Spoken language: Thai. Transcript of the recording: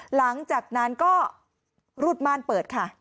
หลังจากนั้นก็รูดม่านเปิดค่ะ